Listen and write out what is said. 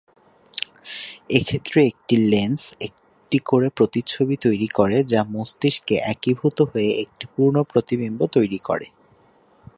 এক্ষেত্রে প্রতিটি লেন্স একটি করে প্রতিচ্ছবি তৈরি করে, যা মস্তিষ্কে একীভূত হয়ে একটি পূর্ণ প্রতিবিম্ব তৈরি করে।